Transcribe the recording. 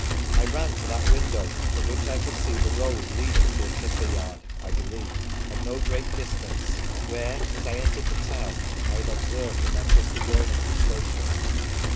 I ran to that window from which I could see the road leading to a timber yard (I believe) at no great distance, where, as I entered the town, I had observed the Manchester Yeomanry stationed.